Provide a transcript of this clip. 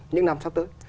những năm sắp tới